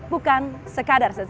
bukan sekadar sesuatu